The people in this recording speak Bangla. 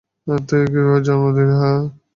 তুই কিভাবে জন্ম দিলি, হাহ?